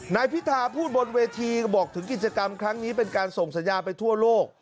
นายพิธาพูดบนเวทีบอกถึงกิจกรรมครั้งนี้เป็นการส่งสัญญาไปทั่วโลก